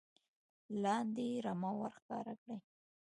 لاندې رمه ور ښکاره کړي .